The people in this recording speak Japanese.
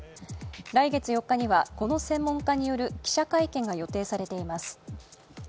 来月４日には、この専門家による記者会見が予定されています。